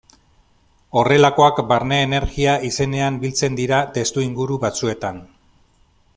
Horrelakoak barne-energia izenean biltzen dira testuinguru batzuetan.